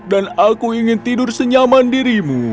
dan aku ingin tidur senyaman dirimu